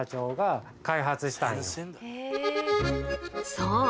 そう！